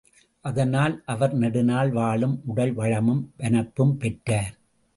அதனால் அவர் நெடுநாள் வாழும் உடல் வளமும் வனப்பும் பெற்றார்.